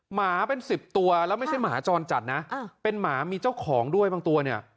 หมาเป็น๑๐ตัวแล้วไม่ใช่หมาจรจัดนะเป็นหมามีเจ้าของด้วยบางตัวเนี่ย